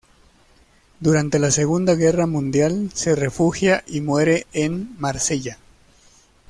Durante la Segunda Guerra Mundial se refugia y muere en Marsella.